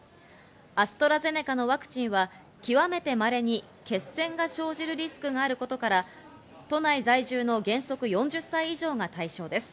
アストラゼネカのワクチンは極めてまれに血栓が生じるリスクがあることから、都内在住の原則４０歳以上が対象です。